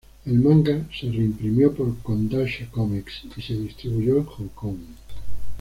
El manga se reimprimió por Kodansha comics, y se distribuyó en Hong Kong.